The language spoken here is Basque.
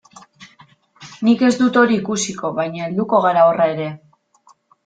Nik ez dut hori ikusiko, baina helduko gara horra ere.